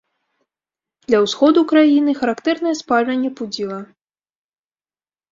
Для ўсходу краіны характэрнае спальванне пудзіла.